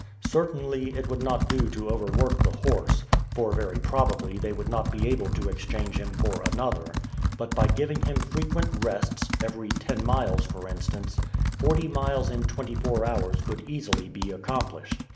Certainly, it would not do to overwork the horse, for very probably they would not be able to exchange him for another; but by giving him frequent rests every ten miles, for instance forty miles in twenty four hours could easily be accomplished.